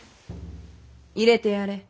入れてやれ。